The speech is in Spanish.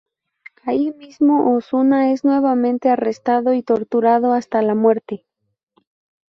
Ahí mismo Osuna es nuevamente arrestado y torturado hasta la muerte.